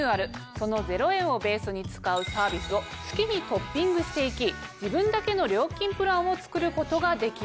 その０円をベースに使うサービスを好きにトッピングして行き自分だけの料金プランを作ることができます。